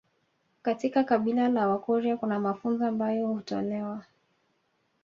Katika kabila la wakurya kuna mafunzo ambayo hutolewa